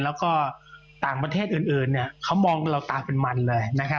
แล้วก็ต่างประเทศอื่นเขามองเราตาเป็นมันเลย